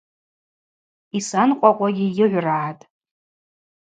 Йсанкъвакъвуагьи йыгӏврагӏатӏ.